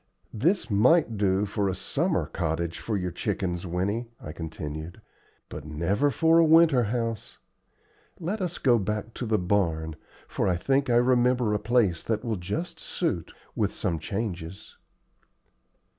"This might do for a summer cottage for your chickens, Winnie," I continued, "but never for a winter house. Let us go back to the barn, for I think I remember a place that will just suit, with some changes."